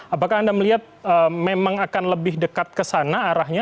apakah anda melihat memang akan lebih dekat ke sana arahnya